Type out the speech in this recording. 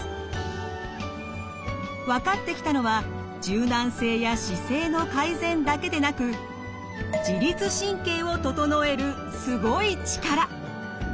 分かってきたのは柔軟性や姿勢の改善だけでなく自律神経を整えるすごい力。